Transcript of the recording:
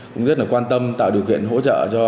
cũng rất là quan tâm tạo điều kiện hỗ trợ cho